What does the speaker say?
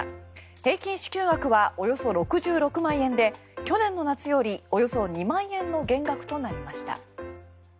平均支給額はおよそ６６万円で去年の夏よりおよそ２万円の減額となりました。